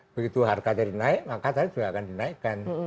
begitu harga tadi naik maka tarif juga akan dinaikkan